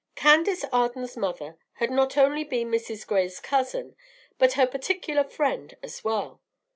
CANDACE ARDEN'S mother had not only been Mrs. Gray's cousin, but her particular friend as well.